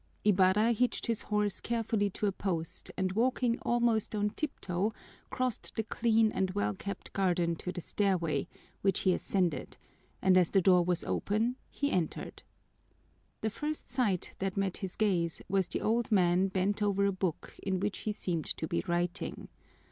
Ibarra hitched his horse carefully to a post and walking almost on tiptoe crossed the clean and well kept garden to the stairway, which he ascended, and as the door was open, he entered. The first sight that met his gaze was the old man bent over a book in which he seemed to be writing.